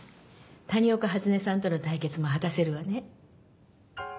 谷岡初音さんとの対決も果たせるわね。